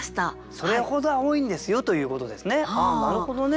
それほど青いんですよということですねなるほどね。